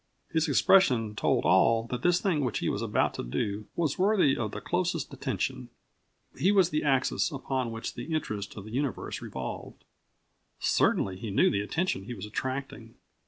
His expression told all that this thing which he was about to do was worthy of the closest attention. He was the axis upon which the interest of the universe revolved. Certainly he knew of the attention he was attracting.